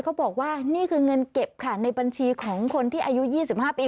เขาบอกว่านี่คือเงินเก็บค่ะในบัญชีของคนที่อายุ๒๕ปี